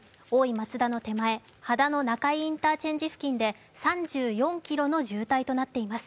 松田の手前、秦野中井インターチェンジ付近で３４ｋｍの渋滞となっています。